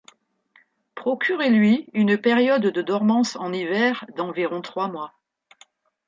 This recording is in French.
Procurez-lui une période de dormance en hiver d'environ trois mois.